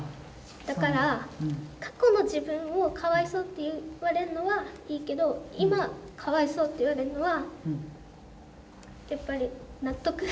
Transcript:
だから過去の自分をかわいそうって言われるのはいいけど今かわいそうって言われるのはやっぱり納得がいかない。